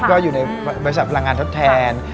ก็อยู่ในบริษัทพลังงานทดแทน